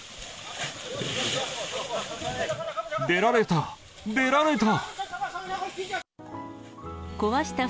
出られた、出られた！